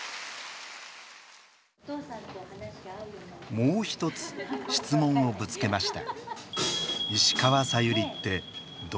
もうひとつ質問をぶつけました。